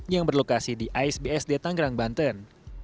yang berlokasi di asbsd tanggerang banten